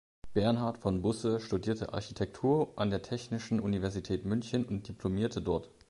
Bernhard von Busse studierte Architektur an der Technischen Universität München und diplomierte dort.